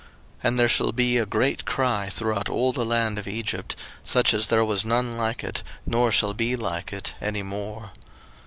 02:011:006 And there shall be a great cry throughout all the land of Egypt, such as there was none like it, nor shall be like it any more.